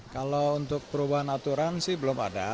kalau untuk perubahan aturan sih belum ada